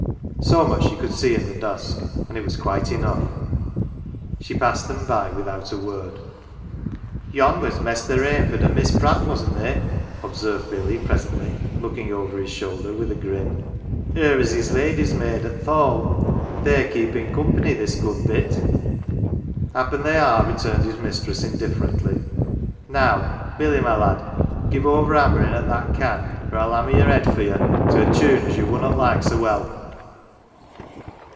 So much she could see in the dusk, and it was quite enough. She passed by them without a word. " Yon was Mester Rainford and Miss Pratt, wasn't they?"" observed Billy presently, looking over his shoulder with a grin. " Her as is ladies' maid at th 1 Hall. They're keepin 1 company this good bit. 11 "Happen they are, 11 returned his mistress, indiffer ently. "Now, Billy, my lad, give over hammerin 1 at that can, or 111 hammer yer head for ye, to a tune as ye wunnot like so well.